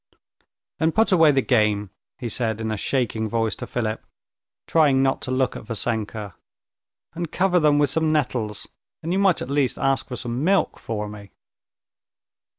"Then put away the game," he said in a shaking voice to Philip, trying not to look at Vassenka, "and cover them with some nettles. And you might at least ask for some milk for me."